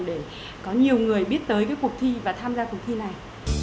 để có nhiều người biết tới cuộc thi và tham gia cuộc thi này